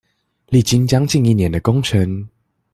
歷經將近一年的工程